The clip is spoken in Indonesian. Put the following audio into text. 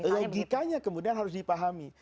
logikanya kemudian harus dipahami